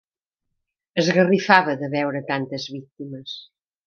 Esgarrifava de veure tantes víctimes.